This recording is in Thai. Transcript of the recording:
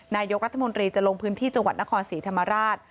นายกรัฐมนตรีจะลงพื้นที่จังหวัดนครศรีธรรมราช